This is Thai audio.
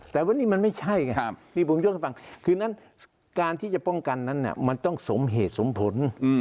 แต่วันนี้มันไม่ใช่ไงนี่ผมยกให้ฟังคือนั้นการที่จะป้องกันนั้นมันต้องสมเหตุสมผล